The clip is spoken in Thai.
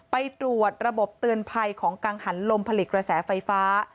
ไปตรวจระบบเตือนภัยของกังหันลมผลิตกระแสไฟฟ้า